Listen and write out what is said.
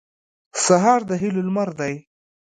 سهار د هیلو لمر دی.